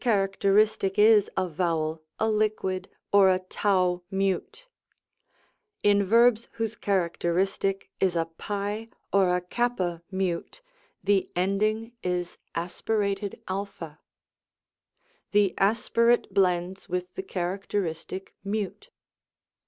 characteristic is a vowel, a liquid, or a raif mute ; in verbs whose characteristic is a ;r^ or a xanna mute, the ending is a. The aspirate blends with the charac teristic mute.